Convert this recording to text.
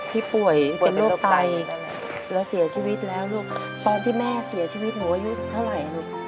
ป่วยเป็นโรคไตแล้วเสียชีวิตแล้วลูกตอนที่แม่เสียชีวิตหนูอายุเท่าไหร่ลูก